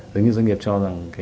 giống như doanh nghiệp cho rằng